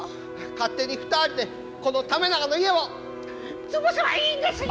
勝手に２人でこの為永の家を潰せばいいんですよ！